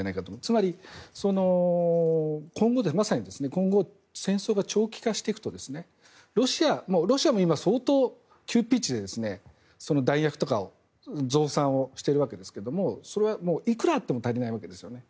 つまり、まさに今後戦争が長期化していくとロシアも今、相当急ピッチで弾薬とかを増産をしているわけですけどもそれはいくらあっても足りないわけですよね。